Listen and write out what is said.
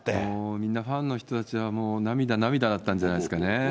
みんなファンの人たちは涙涙だったんじゃないですかね。